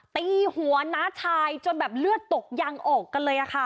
ตีหัวน้าชายจนแบบเลือดตกยางออกกันเลยค่ะ